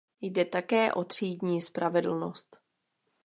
Jde také o třídní spravedlnost.